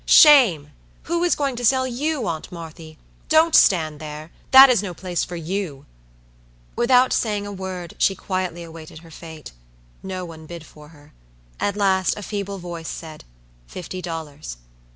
Shame! Who is going to sell you, aunt Marthy? Don't stand there! That is no place for you." Without saying a word, she quietly awaited her fate. No one bid for her. At last, a feeble voice said, "Fifty dollars."